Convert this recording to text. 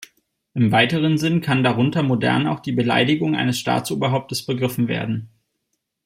Im weiteren Sinn kann darunter modern auch die Beleidigung eines Staatsoberhaupts begriffen werden.